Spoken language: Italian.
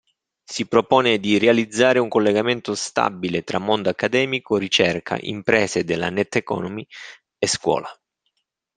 Si propone di realizzare un collegamento stabile tra mondo accademico, ricerca, imprese della net-economy e scuola.